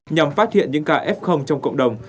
nhằm phát hiện những ca f trong cộng đồng